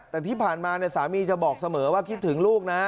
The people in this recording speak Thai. แต่ที่ผ่านมาสามีจะบอกเสมอว่าคิดถึงลูกนะ